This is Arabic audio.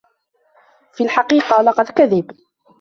في الحقيقة، لقد كذب.